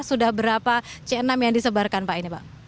sudah berapa c enam yang disebarkan pak ini pak